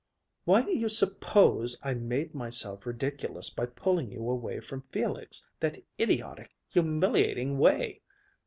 "Why do you suppose I made myself ridiculous by pulling you away from Felix that idiotic, humiliating way!"